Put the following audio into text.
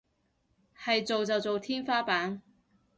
係做就做天花板